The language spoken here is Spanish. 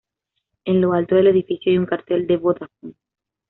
En lo alto del edificio hay un cartel de Vodafone.